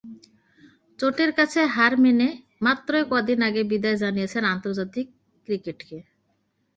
চোটের কাছে হার মেনে মাত্রই কদিন আগে বিদায় জানিয়েছেন আন্তর্জাতিক ক্রিকেটকে।